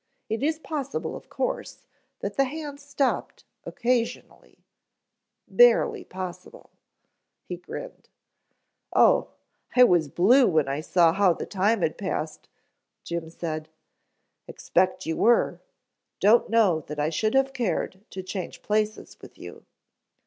It is possible, of course, that the hands stopped occasionally barely possible," he grinned. "Oh, I was blue when I saw how the time had passed," Jim said. "Expect you were. Don't know that I should have cared to change places with you."